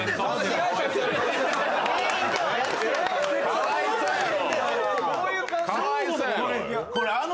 かわいそうやろ！